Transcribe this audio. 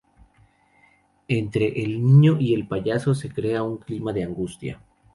Entre el niño y el payaso se crea un clima de angustia.